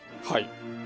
はい。